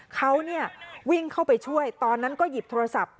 เขาวิ่งเข้าไปช่วยตอนนั้นก็หยิบโทรศัพท์